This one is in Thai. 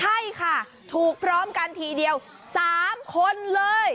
ใช่ค่ะถูกพร้อมกันทีเดียว๓คนเลย